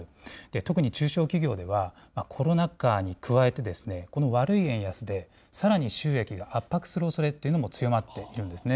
特に中小企業では、コロナ禍に加えて、この悪い円安でさらに収益が圧迫するおそれっていうのも強まっているんですね。